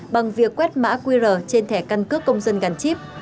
bằng việc quét mã qr trên thẻ căn cước công dân gắn chip